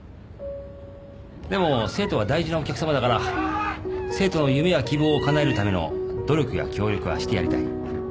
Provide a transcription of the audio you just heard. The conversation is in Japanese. でも生徒は大事なお客さまだから生徒の夢や希望をかなえるための努力や協力はしてやりたい。